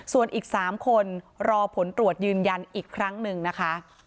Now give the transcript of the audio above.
ส่วนอีก๓คนรอผลตรวจยืนยันอีกครั้งหนึ่งนะคะ